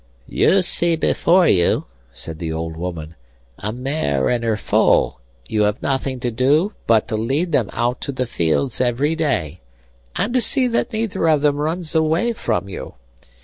'You see before you,' said the old woman, 'a mare and her foal; you have nothing to do but to lead them out to the fields every day, and to see that neither of them runs away from you.